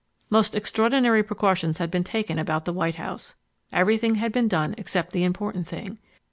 Most extraordinary precautions had been taken about the White House. Everything had been done except the important thing.